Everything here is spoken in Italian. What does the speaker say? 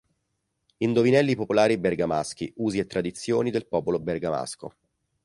Indovinelli popolari bergamaschi", "Usi e tradizioni del popolo bergamasco".